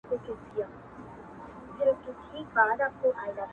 زه يم له تا نه مروره نور بــه نـه درځمـــه،